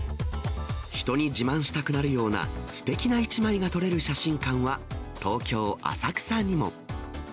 人に自慢したくなるような、すてきな一枚が撮れる写真館は、東京・浅草にも。